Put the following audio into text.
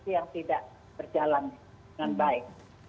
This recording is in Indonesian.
yang tidak berjalan dengan baik